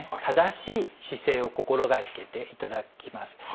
正しい姿勢を心がけていただきます。